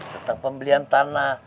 tentang pembelian tanah